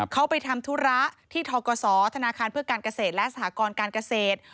เขาไปทำธุระที่ทกศธนาคารเพื่อการเกษตรและสหกรการเกษตร